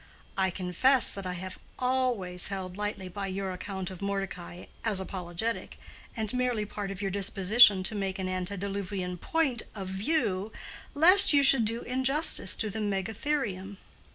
I confess that I have always held lightly by your account of Mordecai, as apologetic, and merely part of your disposition to make an antediluvian point of view lest you should do injustice to the megatherium.